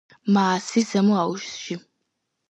მაასის ზემო აუზში.